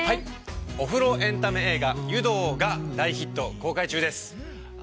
◆お風呂エンタメ映画「湯道」が現在、大ヒット公開中です。